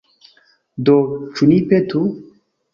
Do, ĉu ni petu?